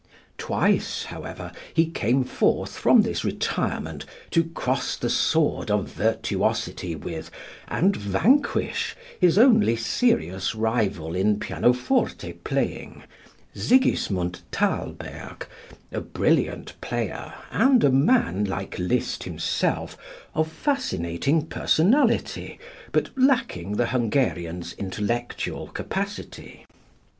Twice, however, he came forth from this retirement to cross the sword of virtuosity with and vanquish his only serious rival in pianoforte playing, Sigismund Thalberg, a brilliant player and a man, like Liszt himself, of fascinating personality, but lacking the Hungarian's intellectual capacity.